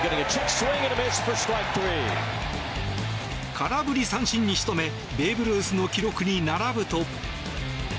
空振り三振に仕留めベーブ・ルースの記録に並ぶと。